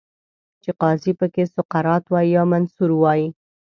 چې قاضي پکې سقراط وای، یا منصور وای